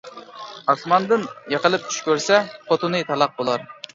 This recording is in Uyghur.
ئاسماندىن يىقىلىپ چۈش كۆرسە، خوتۇنى تالاق بولار.